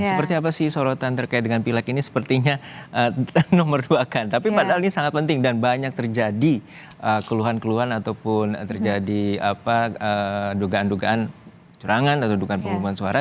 seperti apa sih sorotan terkait dengan pileg ini sepertinya nomor dua kan tapi padahal ini sangat penting dan banyak terjadi keluhan keluhan ataupun terjadi dugaan dugaan curangan atau dugaan pengumuman suara